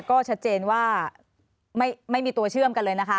ก็ชัดเจนว่าไม่มีตัวเชื่อมกันเลยนะคะ